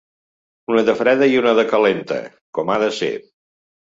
Una de freda i una de calenta, com ha de ser.